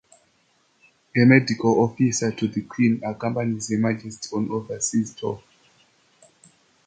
A Medical Officer to the Queen accompanies Her Majesty on overseas tour.